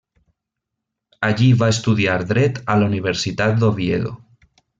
Allí va estudiar Dret a la Universitat d'Oviedo.